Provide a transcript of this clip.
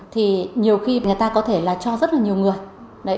thì nhiều khi người ta có thể là cho rất là nhiều người